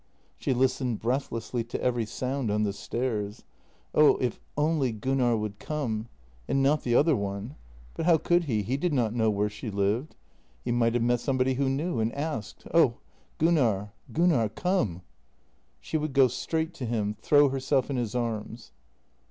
She listened breathlessly to every sound on the stairs. Oh, if only Gunnar would come! And not the other one. But how could he? He did not know where she lived — he might have met somebody who knew and asked. Oh, Gunnar, Gunnar, come! She would go straight to him, throw herself in his arms.